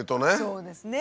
そうですね。